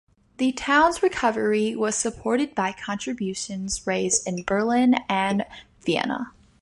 The town's recovery was supported by contributions raised in Berlin and Vienna.